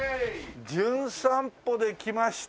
『じゅん散歩』で来ました。